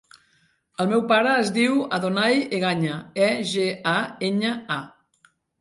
El meu pare es diu Adonay Egaña: e, ge, a, enya, a.